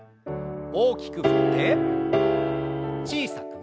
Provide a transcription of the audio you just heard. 大きく振って小さく。